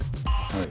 はい。